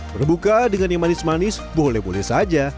berbuka dengan yang manis manis boleh boleh saja